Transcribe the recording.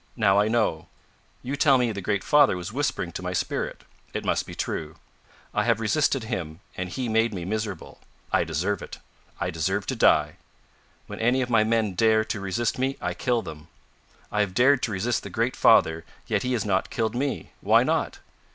Now I know; you tell me the Great Father was whispering to my spirit. It must be true. I have resisted Him, and He made me miserable. I deserve it. I deserve to die. When any of my men dare to resist me I kill them. I have dared to resist the Great Father, yet He has not killed me. Why not?